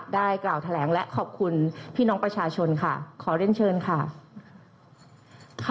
ได้กล่าวแถลงและขอบคุณพี่น้องประชาชนค่ะขอเรียนเชิญค่ะ